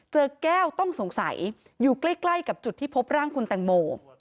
แก้วต้องสงสัยอยู่ใกล้กับจุดที่พบร่างคุณแตงโม